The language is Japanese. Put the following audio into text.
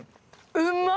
うまっ！